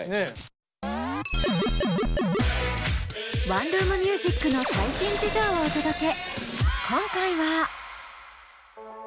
ワンルーム☆ミュージックの最新事情をお届け。